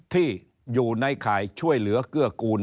ที่อยู่ในข่ายช่วยเหลือเกื้อกูล